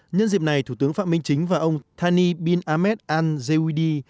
nhân dịp này thủ tướng phạm minh chính và ông thani bin ahmed al zawidi